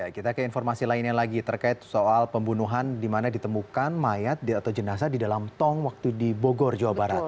kita ke informasi lainnya lagi terkait soal pembunuhan di mana ditemukan mayat atau jenazah di dalam tong waktu di bogor jawa barat